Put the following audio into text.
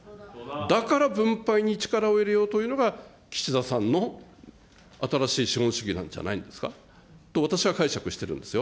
だから分配に力を入れようと、岸田さんの新しい資本主義なんじゃないんですか、と私は解釈してるんですよ。